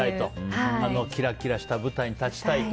あのキラキラした舞台に立ちたいと？